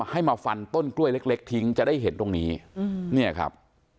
ให้มาฟันต้นกล้วยเล็กเล็กทิ้งจะได้เห็นตรงนี้เนี่ยครับ